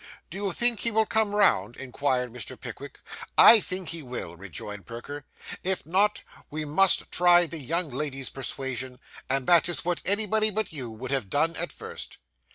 'Do you think he will come round?' inquired Mr. Pickwick. 'I think he will,' rejoined Perker. 'If not, we must try the young lady's persuasion; and that is what anybody but you would have done at first.